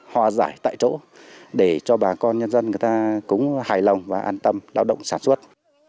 hòa giải tại chỗ để cho bà con nhân dân người ta cũng hài lòng và an tâm lao động sản xuất